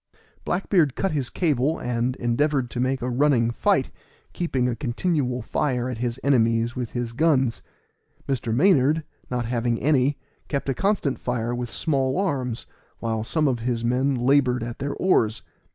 Black beard cut his cable, and endeavored to make a running fight, keeping a continual fire at his enemies with his guns. Mr. Maynard, not having any, kept a constant fire with small arms, while some of his men labored at their oars.